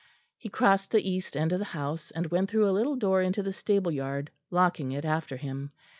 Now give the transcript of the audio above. He crossed the east end of the house, and went through a little door into the stable yard, locking it after him.